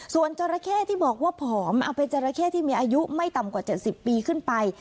ส่วนจราเข้ที่บอกว่าผอมเอาเป็นจราเข้ที่มีอายุไม่ต่ำกว่า๗๐ปีขึ้นไป